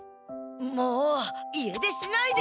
もう家出しないで！